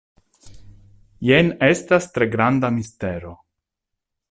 Jen estas tre granda mistero.